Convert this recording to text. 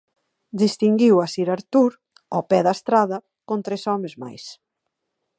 Distinguiu a sir Arthur, ó pé da estrada, con tres homes máis.